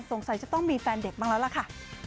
จะต้องมีแฟนเด็กบ้างแล้วล่ะค่ะ